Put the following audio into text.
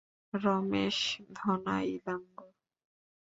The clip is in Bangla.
রমেশ, ধনা, ইলাঙ্গো।